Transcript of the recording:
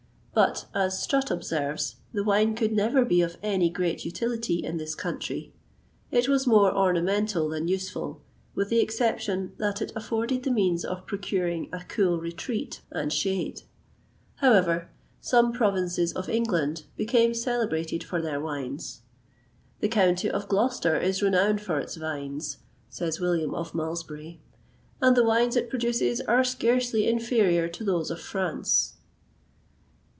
But, as Strutt observes, the vine could never be of any great utility in this country. It was more ornamental than useful, with the exception that it afforded the means of procuring a cool retreat and shade.[XXVIII 161] However, some provinces of England became celebrated for their wines. "The county of Gloucester is renowned for its vines," says William of Malmesbury; "and the wines it produces are scarcely inferior to those of France."